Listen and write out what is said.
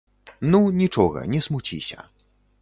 Ну, нічога, не смуціся.